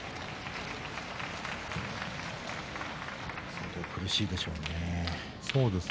本人、苦しいでしょうね。